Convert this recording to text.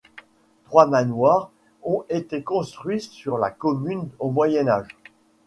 Trois manoirs ont été construits sur la commune au Moyen Âge.